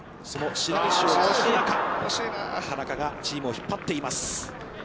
その白石を欠く中、チームを引っ張っています。